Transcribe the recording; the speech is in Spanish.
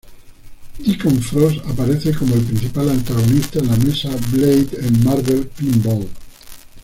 Deacon Frost aparece como el principal antagonista en la mesa Blade en "Marvel Pinball".